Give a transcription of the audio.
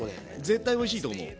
絶対おいしいと思う。